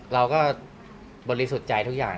เราก็บรรจิสุจริงทุกอย่าง